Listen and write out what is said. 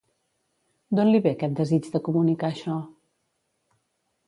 D'on li ve aquest desig de comunicar això?